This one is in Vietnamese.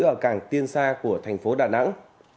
ở cảng tiên sa của thành phố đà nẵng